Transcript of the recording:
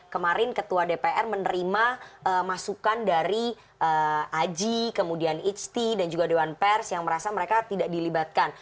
kemarin ketua dpr menerima masukan dari aji kemudian ijti dan juga dewan pers yang merasa mereka tidak dilibatkan